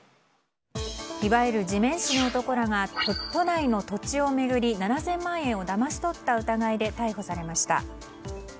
いわゆる地面師の男らが都内の土地を巡り７０００万円をだまし取った疑いで逮捕されました。